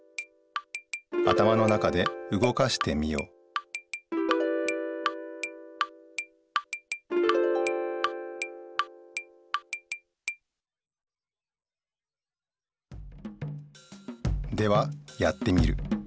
頭の中でうごかしてみよではやってみる。